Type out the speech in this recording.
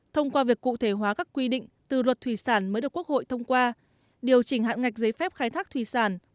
thông qua việc cụ thể hóa các quy định từ luật thủy sản mới được quốc hội thông qua điều chỉnh hạn ngạch giấy phép khai thác thủy sản